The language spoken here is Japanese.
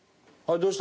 どうした？